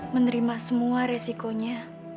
menerima semua resikonya